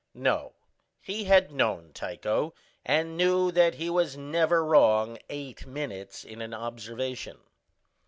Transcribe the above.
No, he had known Tycho, and knew that he was never wrong eight minutes in an observation.